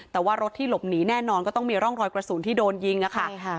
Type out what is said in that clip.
แต่ว่ารถที่หลบหนีแน่นอนก็ต้องมีร่องรอยกระสุนที่โดนยิงอะค่ะ